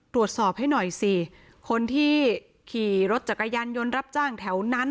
ตรวจสอบให้หน่อยสิคนที่ขี่รถจักรยานยนต์รับจ้างแถวนั้น